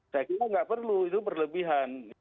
saya kira nggak perlu itu berlebihan